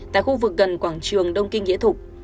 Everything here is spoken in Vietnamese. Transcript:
tại khu vực gần quảng trường đông kinh nghĩa thục